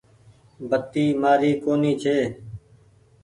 بتي مآري ڪونيٚ ڇي۔